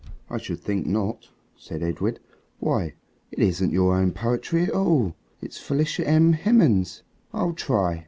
"I should think not," said Edred. "Why, it isn't your own poetry at all. It's Felicia M. Hemans'. I'll try."